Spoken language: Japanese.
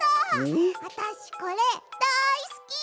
あたしこれだいすき！